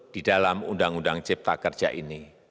di dalam undang undang cipta kerja ini